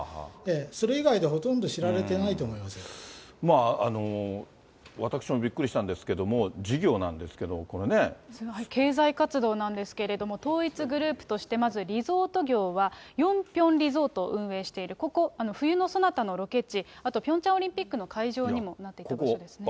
それ以外ではほとんど知られてな私もびっくりしたんですけれども、経済活動なんですけれども、統一グループとして、まずリゾート業は、ヨンピョンリゾートを運営している、ここ、冬のソナタのロケ地、あとピョンチャンオリンピックの会場にもなってた場所ですね。